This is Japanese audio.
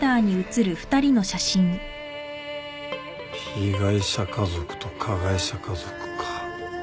被害者家族と加害者家族か。